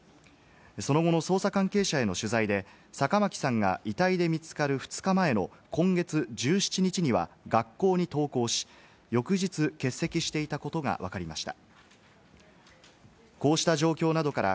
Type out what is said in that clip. その後の捜査関係者への取材で坂巻さんが遺体で見つかる２日前の今月１７日には学校に登校し、翌日欠席していたことがわかりました。